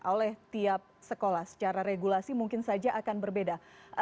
oleh tiap sekolah secara regulasi mungkin saja akan berbeda